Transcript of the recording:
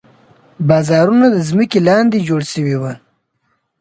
بازارونه د ځمکې لاندې جوړ شوي وو.